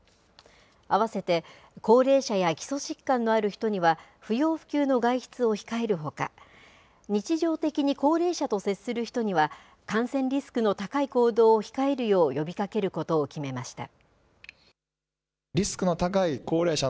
あわせて高齢者や基礎疾患のある人には不要不急の外出を控えるほか、日常的に高齢者と接する人には、感染リスクの高い行動を控えるよう呼びかけることを決めました。